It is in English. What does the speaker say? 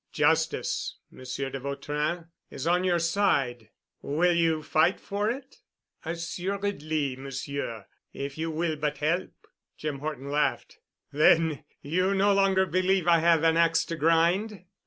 "Justice, Monsieur de Vautrin, is on your side. Will you fight for it?" "Assuredly, Monsieur—if you will but help." Jim Horton laughed. "Then you no longer believe I have an ax to grind?"